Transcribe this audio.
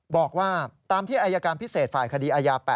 บอกว่าตามที่อายการพิเศษฝ่ายคดีอายา๘